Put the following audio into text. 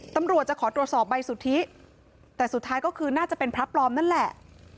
ตำรวจจะขอตรวจสอบใบสุทธิแต่สุดท้ายก็คือน่าจะเป็นพระปลอมนั่นแหละ